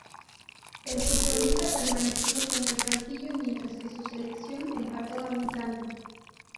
El futbolista permaneció en el banquillo, mientras que su selección empató a un tanto.